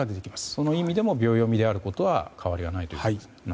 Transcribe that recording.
その意味でも秒読みであることは変わりがないと。